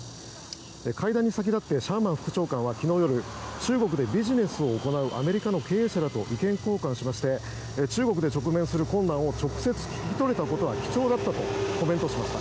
会談に先立ってシャーマン副長官は昨日夜、中国でビジネスを行うアメリカの経営者らと意見交換しまして中国で直面する困難を直接聞き取れたことは貴重だったとコメントしました。